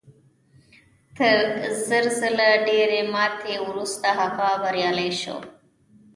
تر زر ځله ډېرې ماتې وروسته هغه بریالی شو